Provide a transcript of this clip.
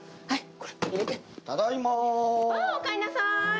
はい。